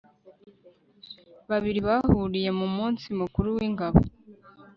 babiri bahuriye mumunsi mukuru wi ngabo